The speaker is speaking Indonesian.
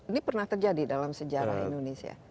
ini pernah terjadi dalam sejarah indonesia